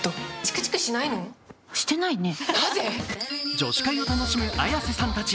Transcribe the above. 女子会を楽しむ綾瀬さんたち。